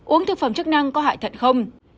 uống thực phẩm chức năng có hại thận không